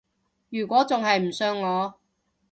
如果仲係唔信我